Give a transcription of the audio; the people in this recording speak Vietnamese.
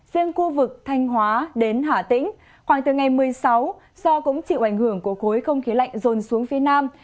riêng khu vực thanh hóa đến hà tĩnh khoảng từ ngày một mươi sáu do cũng chịu ảnh hưởng của khối không khí lạnh rồn xuống phía nam